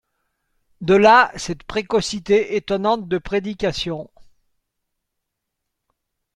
De là cette précocité étonnante de prédication.